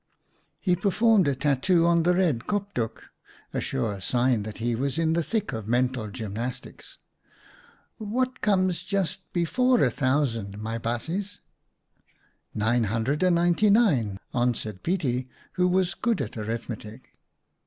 He performed a tattoo on the red kopdoek — a sure sign that he was in the thick of mental gymnastics. " What comes just before a thousand, my baasjes ?"" Nine hundred and ninety nine," answered Pietie, who was good at arithmetic.